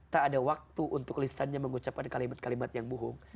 tak ada waktu untuk lisannya mengucapkan kalimat kalimat yang bohong